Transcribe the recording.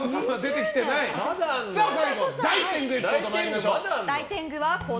最後、大天狗にいきましょう。